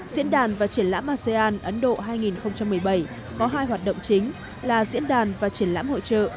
diễn đàn và triển lãm asean ấn độ hai nghìn một mươi bảy có hai hoạt động chính là diễn đàn và triển lãm hội trợ